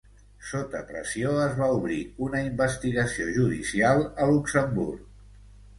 Sota pressió, es va obrir una investigació judicial a Luxemburg.